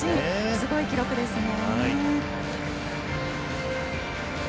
すごい記録ですね。